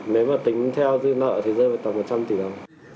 nếu mà tính theo dư nợ thì rơi vào tầm một trăm linh tỷ đồng